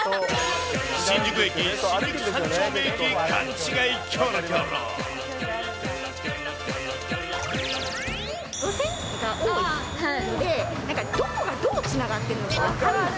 新宿駅、新宿三丁目駅勘違い路線図が多いので、なんかどこがどうつながってるのか分かんない。